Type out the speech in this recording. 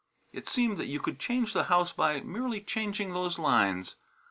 It seemed that you could change the house by merely changing those lines.